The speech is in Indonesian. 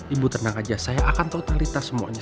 ibu tenang aja saya akan totalitas semuanya